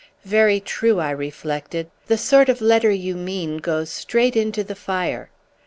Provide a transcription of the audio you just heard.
"Very true," I reflected; "the sort of letter you mean goes straight into the fire."